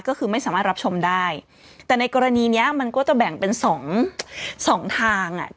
ก็คือไม่สามารถรับชมได้แต่ในกรณีเนี้ยมันก็จะแบ่งเป็นสองสองทางอ่ะ